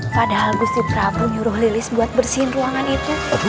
padahal gusti prabu nyuruh lilis buat bersihin ruangan itu